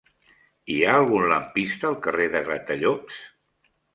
Hi ha algun lampista al carrer de Gratallops?